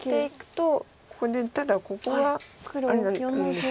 ここでただここがあれなんですけど。